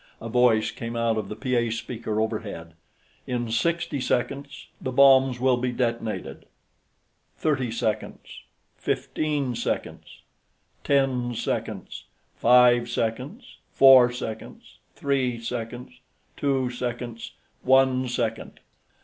A voice came out of the PA speaker overhead: "In sixty seconds, the bombs will be detonated ... thirty seconds ... fifteen seconds ... ten seconds ... five seconds, four seconds, three seconds, two seconds, one second...."